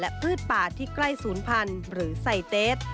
พืชป่าที่ใกล้ศูนย์พันธุ์หรือไซเตส